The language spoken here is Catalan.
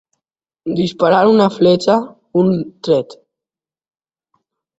Disparar una fletxa, un tret.